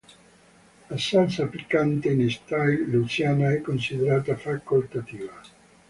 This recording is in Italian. La salsa piccante in stile Louisiana è considerata facoltativa.